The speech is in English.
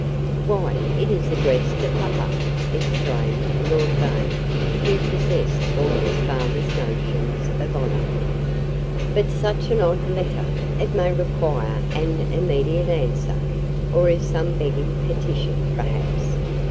"Why, it is addressed to papa!" exclaimed Lord Vane who possessed all his father's notions of honor. "But such an odd letter! It may require an immediate answer; or is some begging petition, perhaps.